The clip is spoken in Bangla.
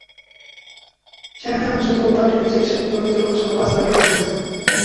সেখানে এখন শুধু বারডেমেই চিকিৎসাধীন নিবন্ধিত রোগীর সংখ্যা পাঁচ লাখের কাছাকাছি।